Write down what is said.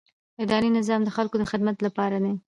اداري نظام د خلکو د خدمت لپاره دی.